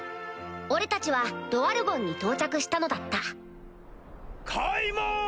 俺たちはドワルゴンに到着したのだった開門！